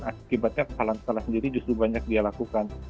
akibatnya kesalahan kesalahan sendiri justru banyak dia lakukan